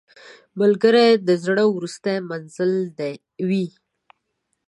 ملګری د زړه وروستی منزل وي